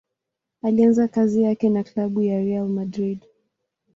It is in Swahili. Alianza kazi yake na klabu ya Real Madrid.